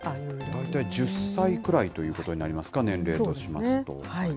大体１０歳くらいということになりますか、年齢としますと。